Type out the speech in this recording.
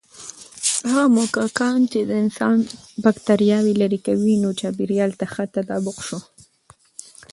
هغه موږکان چې د انسان بکتریاوې لري، نوي چاپېریال ته ښه تطابق شو.